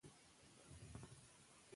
د ده زړه ولګېد.